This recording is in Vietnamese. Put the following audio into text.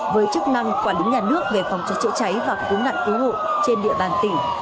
với chức năng quản lý nhà nước về phòng cháy chữa cháy và cứu nạn cứu hộ trên địa bàn tỉnh